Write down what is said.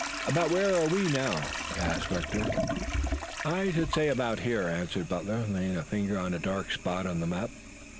"About where are we now?" asked Rector. "I should say about here," answered Butler, laying a finger on a dark spot on the map.